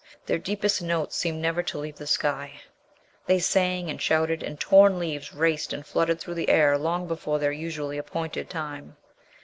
Their deepest notes seemed never to leave the sky. They sang and shouted, and torn leaves raced and fluttered through the air long before their usually appointed time.